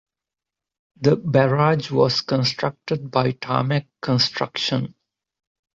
The barrage was constructed by Tarmac Construction.